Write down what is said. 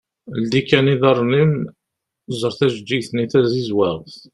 Ldi kan iḍarren-im ẓer tajeğğigt-nni tazizwaɣt.